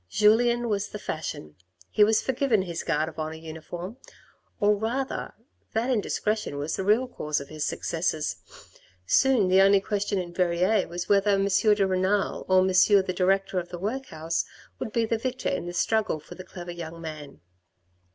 Julien was the fashion ; he was forgiven his Guard of Honour uniform, or rather that indiscretion was the real cause of his successes. Soon the only question in Verrieres was whether M. de Renal or M. the director of the workhouse would be the victor in the struggle for the clever young man.